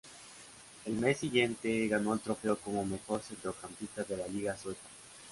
Al mes siguiente, ganó el trofeo como mejor centrocampista de la liga sueca.